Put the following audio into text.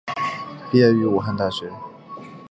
毕业于武汉大学。